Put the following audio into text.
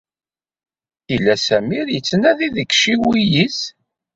Yella Samir yettnadi deg yiciwi-is.